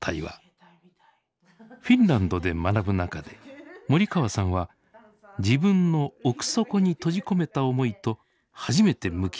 フィンランドで学ぶ中で森川さんは自分の奥底に閉じ込めた思いと初めて向き合うことになりました。